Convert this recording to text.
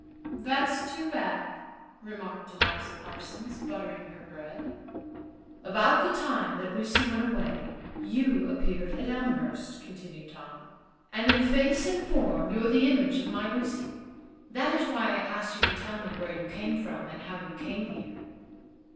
"That's too bad," remarked Eliza Parsons, buttering her bread. "About the time that Lucy went away, you appeared at Elmhurst," continued Tom. "And in face and form you're the image of my Lucy. That is why I asked you to tell me where you came from and how you came here."